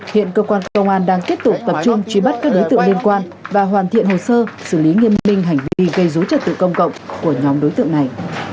hiện cơ quan công an đang tiếp tục tập trung truy bắt các đối tượng liên quan và hoàn thiện hồ sơ xử lý nghiêm minh hành vi gây dối trật tự công cộng của nhóm đối tượng này